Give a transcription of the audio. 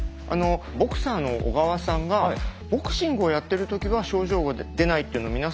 ボクサーの小川さんがボクシングをやってる時は症状が出ないっていうの皆さん